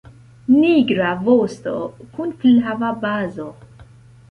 Nigra vosto kun flava bazo.